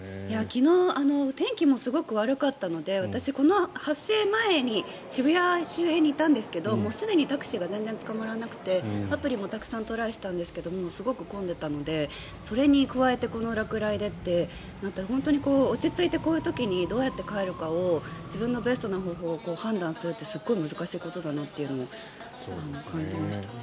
昨日天気もすごく悪かったので私、この発生前に渋谷周辺にいたんですがすでにタクシーが全然捕まらなくてアプリもたくさんトライしたんですけどすごく混んでいたのでそれに加えてこの落雷でってなったら本当に落ち着いて、こういう時にどうやって帰るかを自分のベストな方法を判断するってすごい難しいことだなと感じましたね。